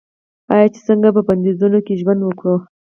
آیا چې څنګه په بندیزونو کې ژوند وکړو؟